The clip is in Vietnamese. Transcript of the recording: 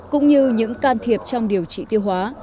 cũng như những can thiệp trong điều trị tiêu hóa